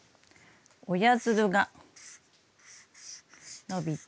親づるが伸びて。